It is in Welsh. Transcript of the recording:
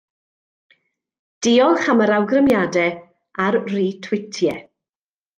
Diolch am yr awgrymiadau, a'r rîtwîtiau.